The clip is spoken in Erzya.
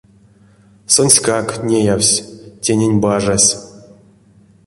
Сонськак, неявсь, тенень бажась.